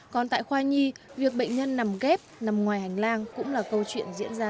còn tại khoa nhi việc bệnh nhân nằm ghép nằm ngoài hành lang cũng là câu chuyện diễn ra